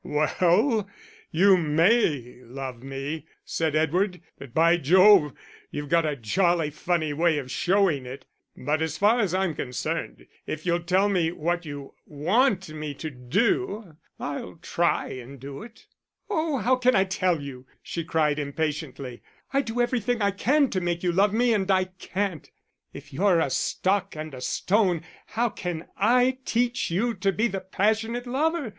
"Well, you may love me," said Edward, "but, by Jove, you've got a jolly funny way of showing it.... But as far as I'm concerned, if you'll tell me what you want me to do, I'll try and do it." "Oh, how can I tell you?" she cried, impatiently. "I do everything I can to make you love me and I can't. If you're a stock and a stone, how can I teach you to be the passionate lover?